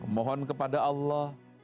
mohon kepada allah